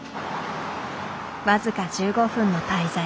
僅か１５分の滞在。